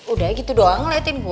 udah gitu doang ngeliatin gue